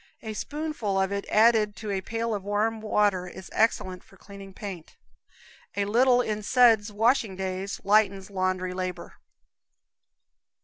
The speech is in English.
A spoonful of it added to a pail of warm water is excellent for cleaning paint. A little in suds washing days lightens laundry labor.